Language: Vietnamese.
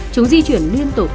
chúng di chuyển liên tục